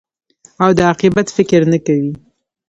او د عاقبت فکر نه کوې.